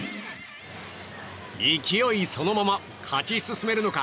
勢いそのまま勝ち進めるのか